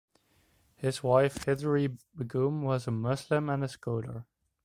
His wife Hyderi Begum was a Muslim and a scholar.